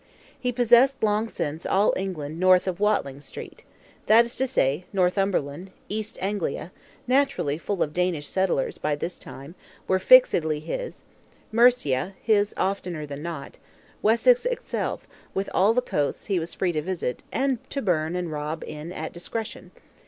He possessed long since all England north of Watling Street. That is to say, Northumberland, East Anglia (naturally full of Danish settlers by this time), were fixedly his; Mercia, his oftener than not; Wessex itself, with all the coasts, he was free to visit, and to burn and rob in at discretion.